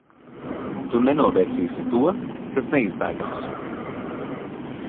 Tu nenovērsīsi to, kas neizbēgams.